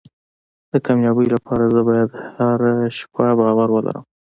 د کامیابۍ لپاره زه باید هره شپه باور ولرم.